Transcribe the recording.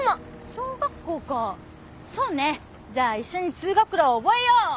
小学校かそうねじゃ一緒に通学路を覚えよう。